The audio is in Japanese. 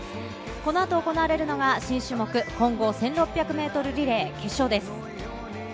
この後、行われるのが新種目、混合１６００ｍリレー決勝です。